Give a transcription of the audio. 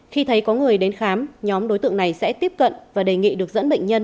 khi thấy có người đến khám nhóm đối tượng này sẽ tiếp cận và đề nghị được dẫn bệnh nhân